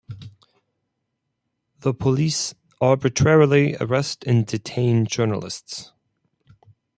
The police arbitrarily arrest and detain journalists.